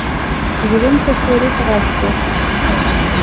Gremt asurif ɣer sdat.